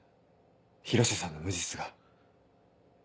広瀬さんの無実が。